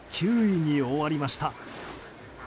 ９位に終わりました。